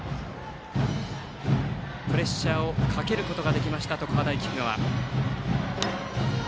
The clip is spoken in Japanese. プレッシャーをかけることができた常葉大菊川。